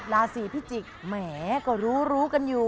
ราศีพิจิกษ์แหมก็รู้รู้กันอยู่